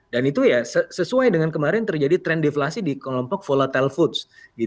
dan itu ya sesuai dengan kemarin terjadi trend deflasi di kelompok volatile foods